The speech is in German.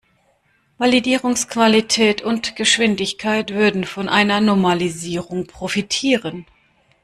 Validierungsqualität und -geschwindigkeit würden von einer Normalisierung profitieren.